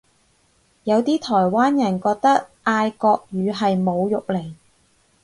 有啲台灣人覺得嗌國語係侮辱嚟